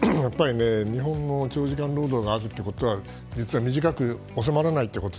日本の長時間労働があるということは短く収まらないということ。